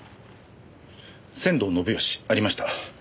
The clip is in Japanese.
仙道信義ありました。